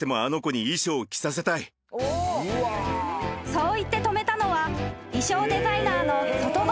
［そう言って止めたのは］